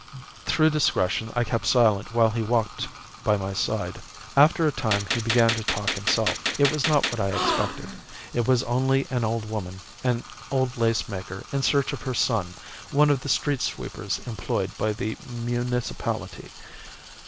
Through discretion I kept silent while he walked by my side. After a time he began to talk himself. It was not what I expected. It was only an old woman, an old lace maker, in search of her son, one of the street sweepers employed by the municipality.